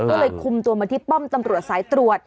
ก็เลยคุมตัวมาที่ป้อมตำรวจสายตรวจ